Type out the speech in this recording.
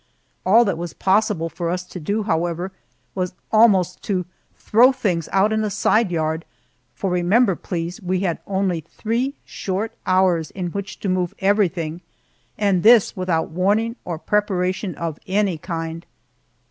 All that was possible for us to do, however, was almost to throw things out in a side yard, for remember, please, we had only three short hours in which to move everything and this without, warning or preparation of any kind.